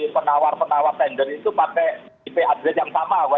penawar penawar tender itu pakai ip atlet yang sama